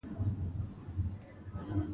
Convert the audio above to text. تواب دوه ساعته وروسته تک تور دیوال ته ودرېد.